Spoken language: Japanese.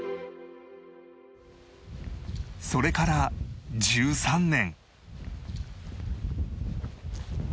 それから１３年